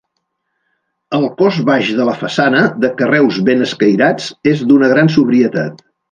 El cos baix de la façana, de carreus ben escairats, és d'una gran sobrietat.